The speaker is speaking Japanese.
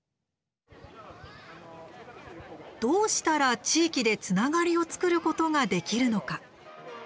どうしたら、地域でつながりを作ることができるのか。